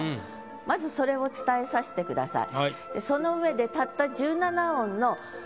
まずそれを伝えさせてください。